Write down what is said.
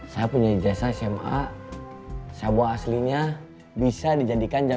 saya juga siap kang